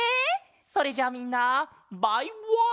それじゃあみんなバイワン！